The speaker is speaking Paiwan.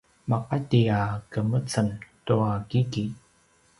maqati a qemeceng tua kiki